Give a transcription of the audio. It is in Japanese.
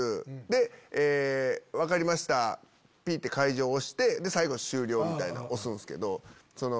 で「分かりました」「解錠」押して最後「終了」みたいなん押すんすけど。